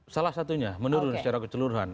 salah satunya menurun secara keseluruhan